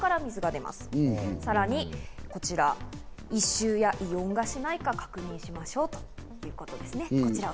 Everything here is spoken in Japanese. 続いて異臭や異音がしないか確認しましょうということです。